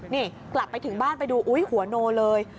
นี่กลับไปถึงบ้านไปดูอุ๊ยหัวโนเลย